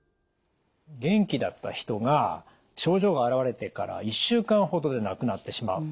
元気だった人が症状が現れてから１週間ほどで亡くなってしまう。